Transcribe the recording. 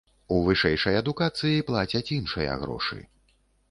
У вышэйшай адукацыі плацяць іншыя грошы.